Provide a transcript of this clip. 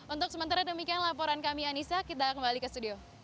untuk sementara demikian laporan kami anissa kita kembali ke studio